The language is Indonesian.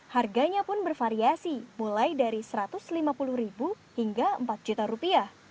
harganya pun bervariasi mulai dari rp satu ratus lima puluh hingga rp empat